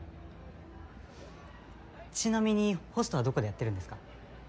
ちなみにホストはどこでやってるんですか？